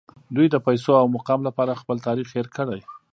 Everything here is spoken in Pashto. دوی د پیسو او مقام لپاره خپل تاریخ هیر کړی